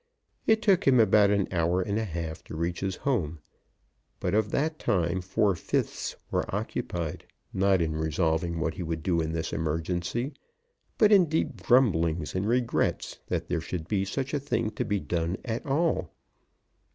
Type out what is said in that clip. It took him about an hour and a half to reach his home, but of that time four fifths were occupied, not in resolving what he would do in this emergency, but in deep grumblings and regrets that there should be such a thing to be done at all.